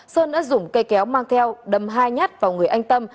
sơn đã dùng cây kéo mang theo đâm hai nhát vào người anh tâm